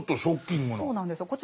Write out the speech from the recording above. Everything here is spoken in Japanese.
そうなんです。